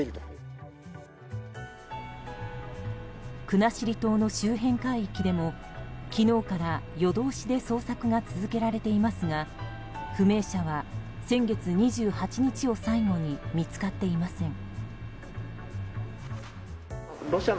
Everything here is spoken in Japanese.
国後島の周辺海域でも昨日から夜通しで捜索が続けられていますが不明者は先月２８日を最後に見つかっていません。